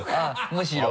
むしろ？